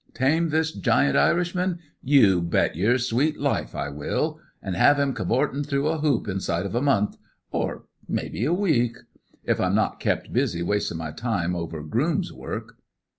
Tame this Giant Irishman you bet your sweet life I will; an' have him cavortin' through a hoop inside of a month or maybe a week if I'm not kept busy wastin' my time over groom's work."